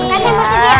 makasih mpok siti